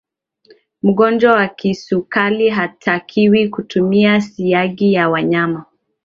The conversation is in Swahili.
mgonjwa wa kisukali hatakiwi kutumia siagi ya wanyama